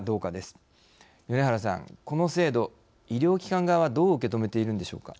米原さんこの制度医療機関側はどう受け止めているのでしょうか。